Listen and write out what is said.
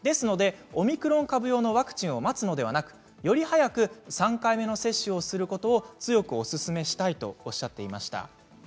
オミクロン株用のワクチンを待つのではなくより早く３回目の接種を強くおすすめしたいとおっしゃっていました。